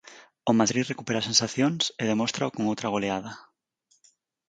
O Madrid recupera sensacións e demóstrao con outra goleada.